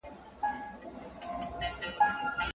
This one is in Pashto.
دوی به په راتلونکي کي ناوړه دودونه پريږدي.